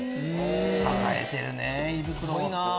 支えてるね胃袋を。